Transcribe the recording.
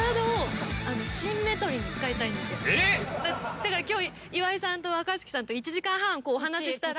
だから今日岩井さんと若槻さんと１時間半こうお話ししたら。